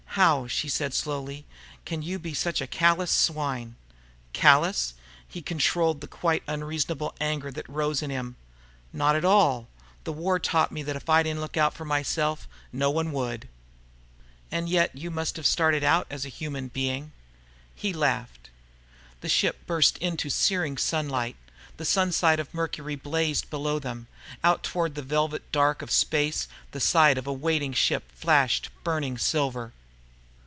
"How," she said slowly, "can you be such a callous swine?" "Callous?" He controlled the quite unreasonable anger that rose in him. "Not at all. The war taught me that if I didn't look out for myself, no one would." "And yet you must have started out a human being." He laughed. The ship burst into searing sunlight. The Sunside of Mercury blazed below them. Out toward the velvet dark of space the side of a waiting ship flashed burning silver.